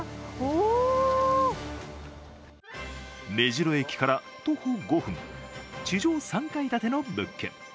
目白駅から徒歩５分、地上３階建ての物件。